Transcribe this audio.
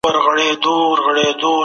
هیڅوک باید په ناحقه ونه وژل سي.